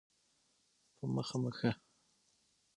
په مخه مو ښه.